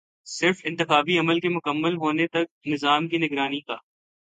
صرف انتخابی عمل کے مکمل ہونے تک نظام کی نگرانی کا